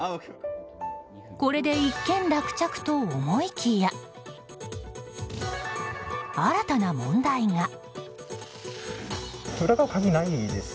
これで一件落着と思いきや新たな問題が。